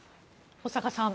保坂さん